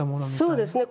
そうですね。